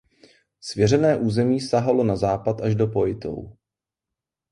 Svěřené území sahalo na západ až do Poitou.